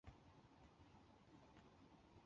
前任君主孔甲的儿子。